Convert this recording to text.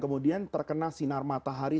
kemudian terkena sinar matahari